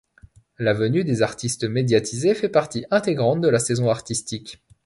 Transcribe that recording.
La venue des artistes médiatisés fait partie intégrante de la saison artistique.